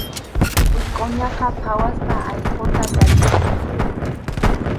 Wikʼuñaqa phawaspa allquta llallinmi.